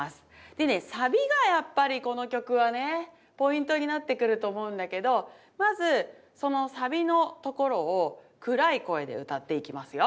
でねサビがやっぱりこの曲はねポイントになってくると思うんだけどまずそのサビのところを暗い声で歌っていきますよ。